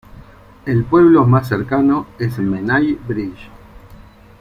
El pueblo más cercano es Menai Bridge.